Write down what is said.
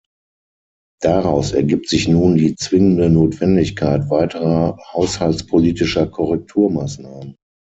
Daraus ergibt sich nun die zwingende Notwendigkeit weiterer haushaltspolitischer Korrekturmaßnahmen.